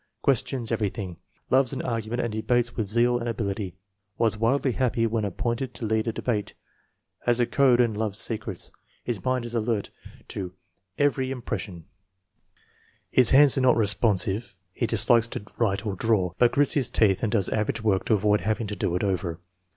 Questions everything; loves an argument and debates with zeal and ability. Was wildly happy when appointed to lead a debate. Has a code and loves secrets. His mind is alert to every 230 INTELLIGENCE OF SCHOOL CHILDBEN impression. His hands are not responsive; he dis likes to write or draw, but grits his teeth and does average work to avoid having to do it over.